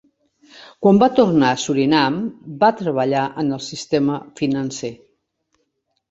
Quan va tornar a Surinam, va treballar en el sistema financer.